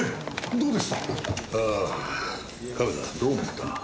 どう思った？